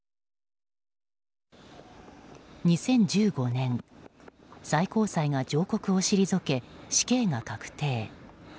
２０１５年最高裁が上告を退け死刑が確定。